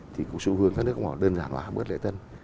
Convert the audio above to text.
thì cũng xu hướng các nước cũng đơn giản hóa bước lợi tân